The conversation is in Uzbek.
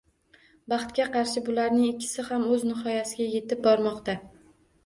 Baxtga qarshi bularning ikkisi ham o‘z nihoyasiga yetib bormoqda.